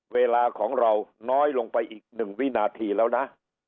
เวลาของเราน้อยลงไปอีก๑วินาทีแล้วนะ